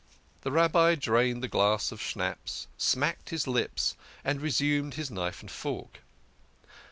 The Rabbi drained the glass of schnapps, smacked his lips, and resumed his knife and fork.